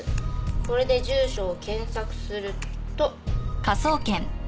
これで住所を検索すると。